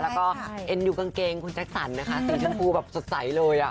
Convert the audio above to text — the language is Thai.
แล้วก็เอ็นดูกางเกงคุณแจ็คสันนะคะสีชมพูแบบสดใสเลยอ่ะ